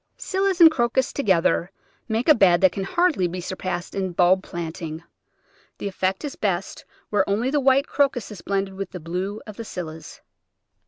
Scillas and Crocus together make a bed that can hardly be surpassed in bulb planting. The effect is best where only the white Crocus is blended with the blue of the Scillas.